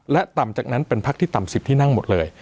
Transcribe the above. และต่ำจากนั้นเป็นพักที่ต่ำ๑๐ที่นั่งหมดเลย